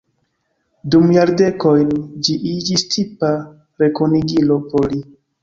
Dum jardekojn ĝi iĝis tipa rekonigilo por li.